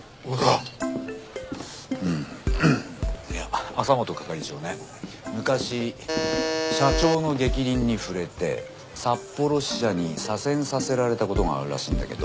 うんいや朝本係長ね昔社長のげきりんに触れて札幌支社に左遷させられたことがあるらしいんだけど。